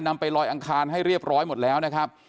ไปลอยอังคารให้เรียบร้อยหมดแล้วนะครับ